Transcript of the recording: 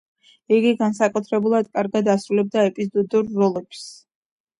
იგი განსაკუთრებულად კარგად ასრულებდა ეპიზოდურ როლებს.